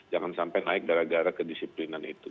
jangan sampai naik gara gara kedisiplinan itu